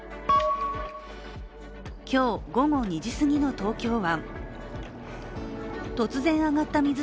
今日、午後２時すぎの東京湾。